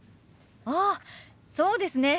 ああそうですね。